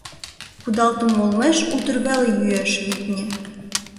Кудалтыме олмеш утыр веле йӱэш, витне.